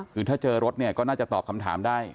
คือถ้าเจอรถเนี่ยก็น่าจะตอบคำถามได้